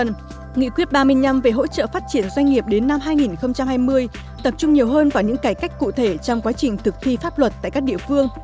nghị quyết ba mươi năm về hỗ trợ phát triển doanh nghiệp đến năm hai nghìn hai mươi tập trung nhiều hơn vào những cải cách cụ thể trong quá trình thực thi pháp luật tại các địa phương